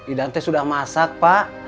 idante sudah masak pak